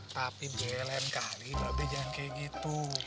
tapi belen kali ba be jangan kayak gitu